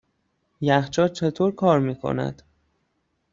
یخچال چطور کار میکند؟